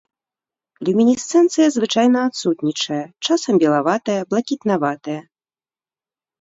Люмінесцэнцыя звычайна адсутнічае, часам белаватая, блакітнаватая.